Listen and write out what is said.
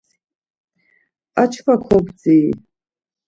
Ar çkva kobdziri.